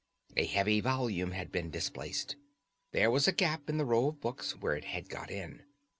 A heavy volume had been displaced. There was a gap in the row of books where it had got in.